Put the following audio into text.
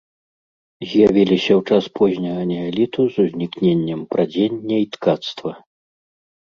З'явіліся ў час позняга неаліту з узнікненнем прадзення і ткацтва.